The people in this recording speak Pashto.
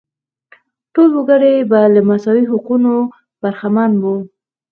ټول وګړي به له مساوي حقونو برخمن وو.